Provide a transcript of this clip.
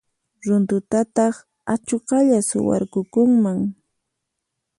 Runtutataq achuqalla suwarqukunman.